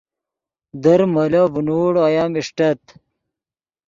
در مولو ڤینوڑ اویم اݰٹت